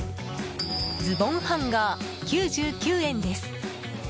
ズボンハンガー、９９円です。